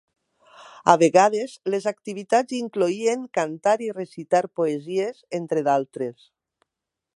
A vegades, les activitats incloïen cantar i recitar poesies, entre d'altres.